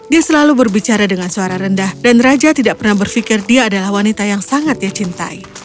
dia selalu berbicara dengan suara rendah dan raja tidak pernah berpikir dia adalah wanita yang sangat dia cintai